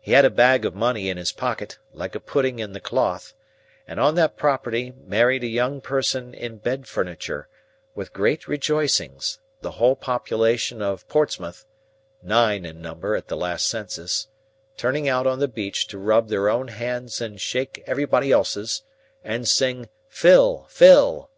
He had a bag of money in his pocket, like a pudding in the cloth, and on that property married a young person in bed furniture, with great rejoicings; the whole population of Portsmouth (nine in number at the last census) turning out on the beach to rub their own hands and shake everybody else's, and sing "Fill, fill!"